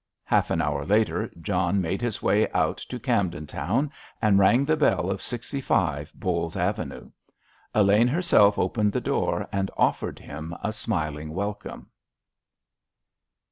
Half an hour later John made his way out to Camden Town, and rang the bell of 65, Bowles Avenue. Elaine herself opened the door and offered him a smiling welcome.